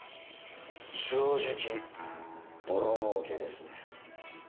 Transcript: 正直ボロ儲けでしたよ。